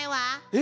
え⁉